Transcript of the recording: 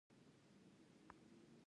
د کونړ دره ډیره زرغونه ده